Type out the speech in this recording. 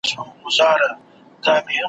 د شعر د پیغام په برخه کي پوښتنه وسي ,